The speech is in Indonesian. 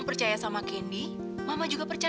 seenangnya kamu pergi